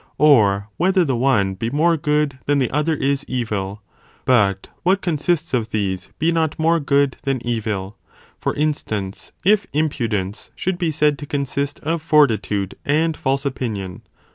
Or whether the one be more good than the other is evil, but what consists of these be not more good than evil; for instance, if impudence (should be said to consist) of fortitude and false opinion.